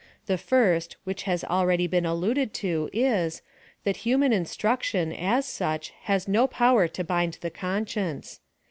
The first, which has been already alluded to, is, tliat human instruction, as such, has no power to bind the conscience.